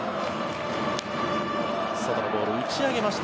外のボール、打ち上げました。